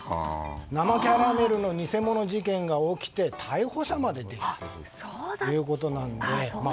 生キャラメルの偽物事件が起きて逮捕者まで出たということなんです。